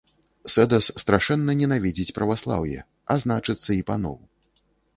Сэдас страшэнна ненавідзіць праваслаўе, а значыцца, і паноў.